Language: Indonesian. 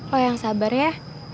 lo yang sabar ya